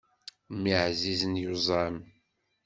Mmi ɛzizen yuẓam.